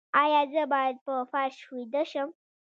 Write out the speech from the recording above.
ایا زه باید په فرش ویده شم؟